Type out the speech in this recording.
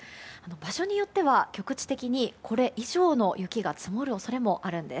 場所によっては局地的にこれ以上の雪が積もる恐れもあるんです。